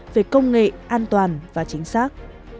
về công nghệ an toàn và chính xác